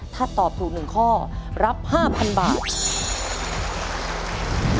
ถ้าตอบถูก๑ข้อรับ๕๐๐๐บาท